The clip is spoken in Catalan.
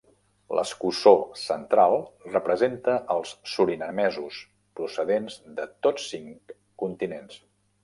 L'escussó central representa els surinamesos, procedents de tots cinc continents.